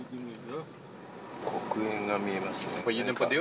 黒煙が見えますね。